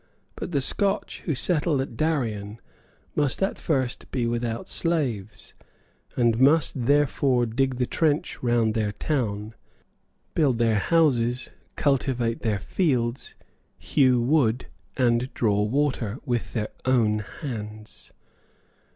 But the Scotch who settled at Darien must at first be without slaves, and must therefore dig the trench round their town, build their houses, cultivate their fields, hew wood, and draw water, with their own hands.